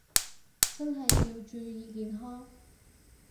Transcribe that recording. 真係要注意健康